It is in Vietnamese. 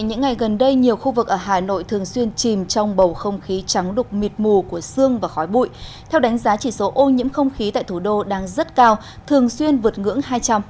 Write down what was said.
những ngày gần đây nhiều khu vực ở hà nội thường xuyên chìm trong bầu không khí trắng đục mịt mù của sương và khói bụi theo đánh giá chỉ số ô nhiễm không khí tại thủ đô đang rất cao thường xuyên vượt ngưỡng hai trăm linh